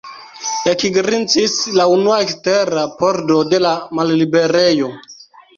Ekgrincis la unua ekstera pordo de la malliberejo.